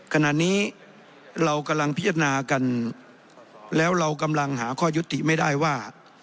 ขณะนี้เรากำลังพิจารณากันแล้วเรากำลังหาข้อยุติไม่ได้ว่า